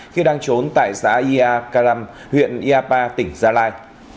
khi đang trốn tại xã ia karam huyện iapa tỉnh gia lai